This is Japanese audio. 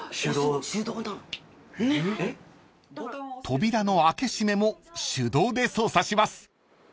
［扉の開け閉めも手動で操作します］